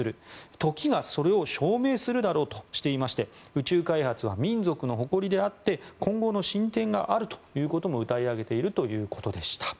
時がそれを証明するだろうとしていまして宇宙開発は民族の誇りであって今後の進展があるということもうたい上げているということでした。